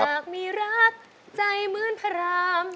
หากมีรักใจเหมือนพระราม